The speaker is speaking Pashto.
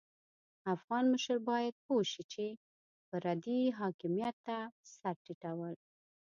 افغان مشر بايد پوه شي چې پردي حاکميت ته سر ټيټول.